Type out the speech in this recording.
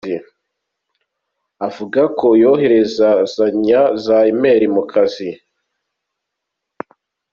Avuga ko kohererezanya za e-mail, mu kazi.